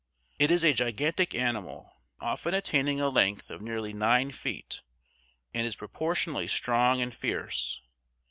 It is a gigantic animal, often attaining a length of nearly nine feet and is proportionally strong and fierce.